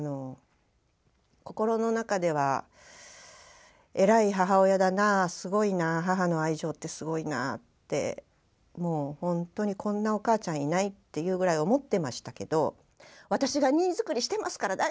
心の中では偉い母親だなすごいな母の愛情ってすごいなってもうほんとにこんなお母ちゃんいないっていうぐらい思ってましたけど私が荷造りしてますから大丈夫ですって言えばいいのにって